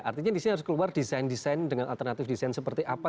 artinya di sini harus keluar desain desain dengan alternatif desain seperti apa